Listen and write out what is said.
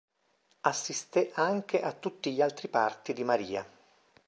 Assisté anche a tutti gli altri parti di Marija.